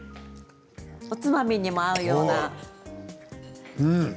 おつまみにも合うような。